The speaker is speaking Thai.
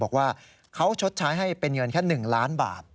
เขาชดใช้ความเสียหายให้เป็นเงินแค่๑๙ล้านบาท